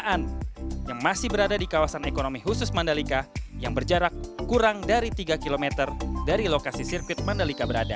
pada saat ini seorang pemerintah yang berpengalaman di kawasan ekonomi khusus mandalika yang berjarak kurang dari tiga km dari lokasi sirkuit mandalika berada